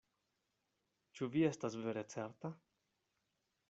Ĉu vi estas vere certa?